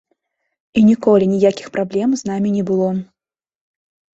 І ніколі ніякіх праблем з намі не было.